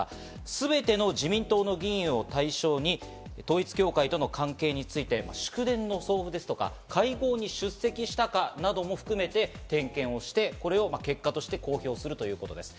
すべての自民党の議員を対象に統一教会との関係について、祝電の送付ですとか、会合に出席したかなども含めて点検をして、これを結果として公表するということです。